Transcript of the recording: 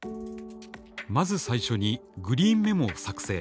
まず最初にグリーンメモを作成。